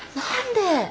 何で？